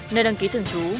nơi đăng ký thường trú